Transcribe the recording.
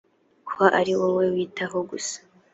ko ari wowe yitaho gusa